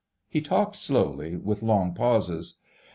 He talked slowly, with long pauses.